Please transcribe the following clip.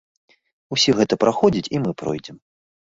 Усе гэта праходзяць, і мы пройдзем.